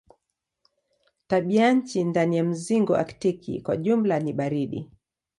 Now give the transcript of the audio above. Tabianchi ndani ya mzingo aktiki kwa jumla ni baridi.